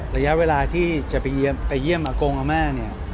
ระยะเวลาที่จะเยี่ยมอาโกงกับอัมมา